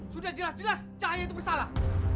sudah jelas jelas cahaya itu bersalah